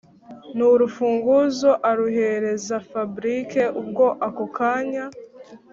n’urufunguzo aruhereza fabric ubwo ako kanya